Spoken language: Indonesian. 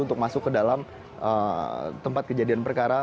untuk masuk ke dalam tempat kejadian perkara